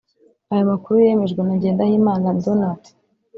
Aya makuru yemejwe na Ngendahimana Donat